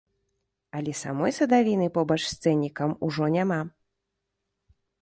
Але самой садавіны побач з цэннікам ужо няма!